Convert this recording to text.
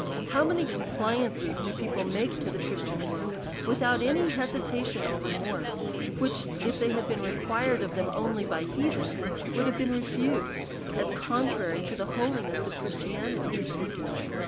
How many compliances do people make to the Christian world, without any hesitation or remorse ; which, if they had been required of them only by hea thens, would have been refused, as contrary to the ho liness of Christianity